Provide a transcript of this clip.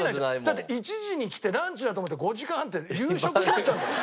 だって１時に来てランチだと思って５時間半って夕食になっちゃうんだよ。